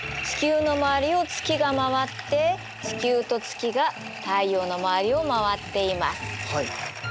地球の周りを月が回って地球と月が太陽の周りを回っています。